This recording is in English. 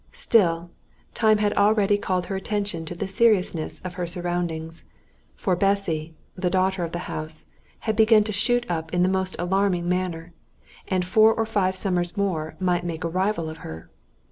Still, time had already called her attention to the seriousness of her surroundings; for Bessy, the daughter of the house, had begun to shoot up in the most alarming manner, and four or five summers more might make a rival of her.